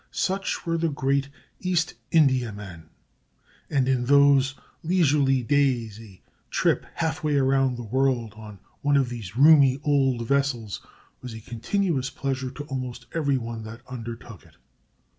Such were the great East Indiamen; and in those leisurely days a trip half way round the world on one of these roomy old vessels was a continuous pleasure to almost every one that undertook it.